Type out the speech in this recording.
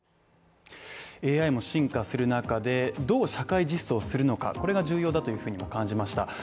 ＡＩも進化する中で、どう社会実装するのか、これが重要だというふうにも感じました